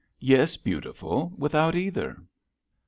"Yes, Beautiful, without either."